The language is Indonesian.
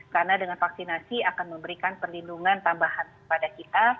karena dengan vaksinasi akan memberikan perlindungan tambahan pada kita